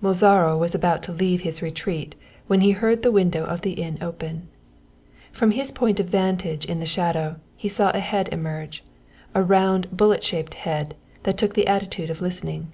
Mozaro was about to leave his retreat when he heard the window of the inn open. From his point of vantage in the shadow, he saw a head emerge a round bullet shaped head that took the attitude of listening.